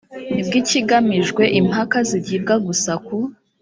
bw ikigamijwe impaka zigibwa gusa ku